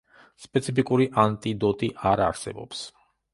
სპეციფიკური ანტიდოტი არ არსებობს.